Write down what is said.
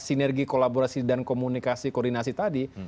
sinergi kolaborasi dan komunikasi koordinasi tadi